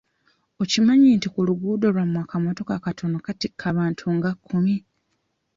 Okimanyi nti ku luguudo lwammwe akamotoka akatono katikka abantu nga kkumi.